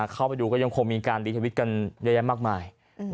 เข้าไปดูก็ยังคงมีการรีทวิตกันเยอะแยะมากมาย